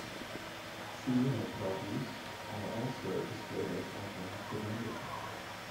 Seasonal produce are also displayed as offerings to the moon.